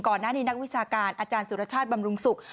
นักวินักวิชาการอาจารย์สุรชาติบำรุงศุกร์